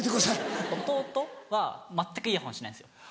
弟は全くイヤホンしないんです。